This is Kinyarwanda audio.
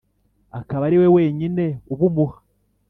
akaba ariwe wenyine ubumuha